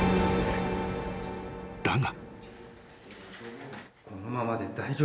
［だが］